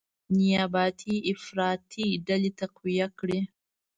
نیابتي افراطي ډلې تقویه کړي،